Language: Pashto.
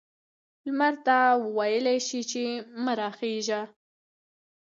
لمر ته ویلای شي چې مه را خیژه؟